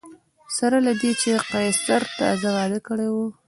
سره له دې چې قیصر تازه واده کړی و